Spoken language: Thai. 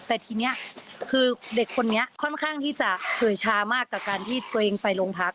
แต่ทีนี้คือเด็กคนนี้ค่อนข้างที่จะเฉยชามากกับการที่ตัวเองไปโรงพัก